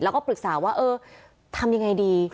แล้วก็ปรึกษาว่าเออทำยังไงดี